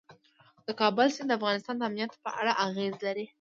د کابل سیند د افغانستان د امنیت په اړه اغېز لري.